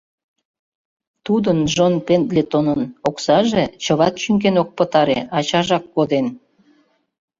Тудын, Джон Пендлетонын, оксаже — чыват чӱҥген ок пытаре, ачажак коден.